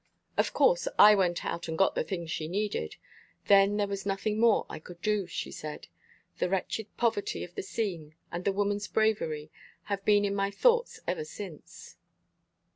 Of course I went out and got the things she needed. Then there was nothing more I could do, she said. The wretched poverty of the scene, and the woman's bravery, have been in my thoughts ever since."